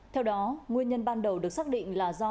theo đó nguyên nhân ban đầu được xác định là do